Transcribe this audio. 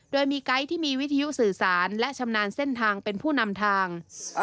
โดยมีไกด์ที่มีวิทยุสื่อสารและชำนาญเส้นทางเป็นผู้นำทาง